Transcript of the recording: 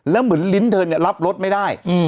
แล้วเหมือนลิ้นเธอเนี่ยรับรสไม่ได้